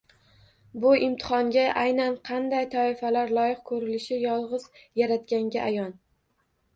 Bu imtihonga aynan qanday toifalar loyiq ko‘rilishi yolg‘iz Yaratganga ayon.